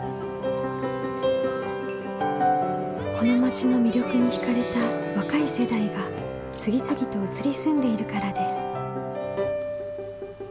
この町の魅力に惹かれた若い世代が次々と移り住んでいるからです。